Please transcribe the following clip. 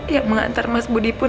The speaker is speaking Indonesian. ya mengantar mas budi pun